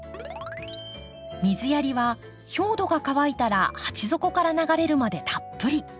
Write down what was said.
水やりは表土が乾いたら鉢底から流れるまでたっぷり。